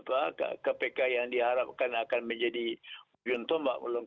yang kpk yang diharapkan akan menjadi guntung